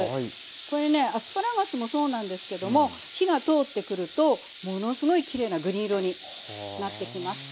これねアスパラガスもそうなんですけども火が通ってくるとものすごいきれいなグリーン色になってきます。